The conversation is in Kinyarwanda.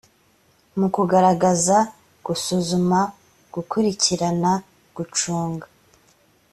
mu kugaragaza gusuzuma gukurikirana gucunga